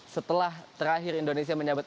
setelah terakhir indonesia menyabat